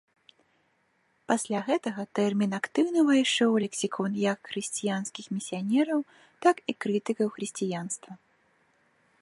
Пасля гэтага тэрмін актыўна ўвайшоў у лексікон, як хрысціянскіх місіянераў, так і крытыкаў хрысціянства.